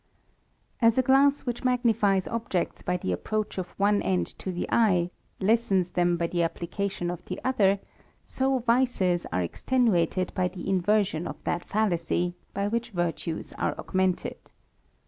As a glass which magnifies objects by the approach of one end to the eye, lessens them by the application of the other, so vices are extenuated by the inversion of that fallacy, by which virtues are augmented.